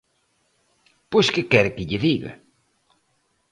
¿Pois que quere que lle diga?